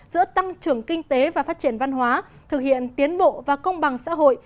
giữa tăng trưởng kinh tế và phát triển văn hóa thực hiện tiến bộ và công bằng xã hội